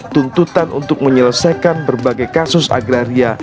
tuntutan untuk menyelesaikan berbagai kasus agraria